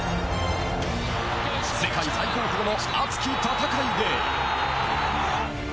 世界最高峰の熱き戦いで。